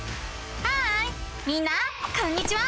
ハーイみんなこんにちは！